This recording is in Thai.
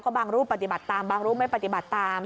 บางรูปปฏิบัติตามบางรูปไม่ปฏิบัติตาม